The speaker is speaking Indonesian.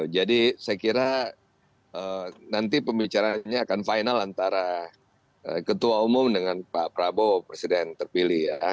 jadi saya kira nanti pembicaraannya akan final antara ketua umum dengan pak prabowo presiden terpilih ya